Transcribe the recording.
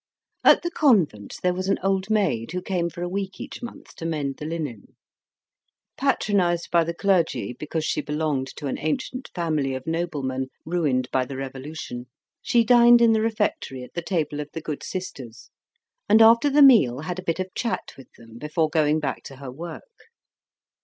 At the convent there was an old maid who came for a week each month to mend the linen. Patronized by the clergy, because she belonged to an ancient family of noblemen ruined by the Revolution, she dined in the refectory at the table of the good sisters, and after the meal had a bit of chat with them before going back to her work.